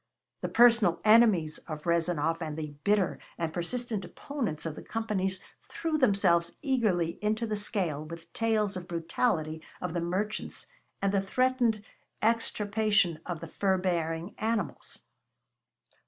The personal enemies of Rezanov and the bitter and persistent opponents of the companies threw themselves eagerly into the scale with tales of brutality of the merchants and the threatened extirpation of the fur bearing animals.